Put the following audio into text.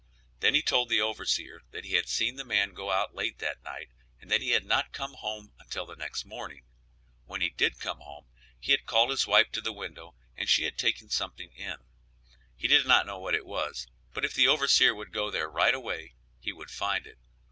Then he told the overseer that he had seen the man go out late that night and that he had not come home until the next morning; when he did come he had called his wife to the window and she had taken something in. He did not know what it was, but if the overseer would go there right away he would find it.